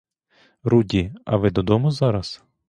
Руді, а ви додому зараз?